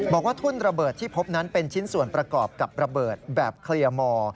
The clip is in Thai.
ทุ่นระเบิดที่พบนั้นเป็นชิ้นส่วนประกอบกับระเบิดแบบเคลียร์มอ